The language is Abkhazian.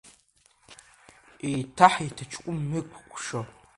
Еиҭах иҭаҷкәым ықәкшо.